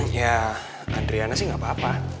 ya andriana sih gak apa apa